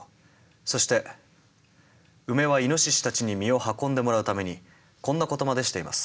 そしてウメはイノシシたちに実を運んでもらうためにこんなことまでしています。